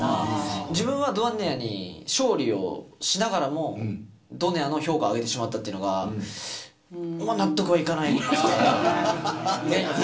自分はドネアに勝利をしながらもドネアの評価を上げてしまったというのが納得はいかないですね。